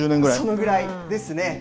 そのぐらいですね。